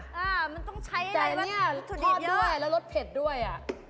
แต่ก็ทอดด้วยและลดเผ็ดด้วย